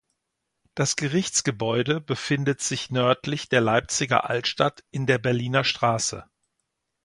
Das Gerichtsgebäude befindet sich nördlich der Leipziger Altstadt in der "Berliner Str.